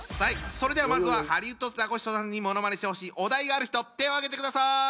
それではまずはハリウッドザコシショウさんにものまねしてほしいお題がある人手を挙げてください。